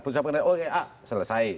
putusan pengadilan oh ya ah selesai